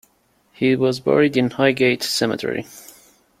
He was buried in Highgate cemetery.